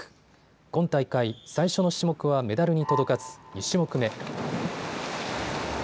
今大会最初の種目はメダルに届かず２種目目。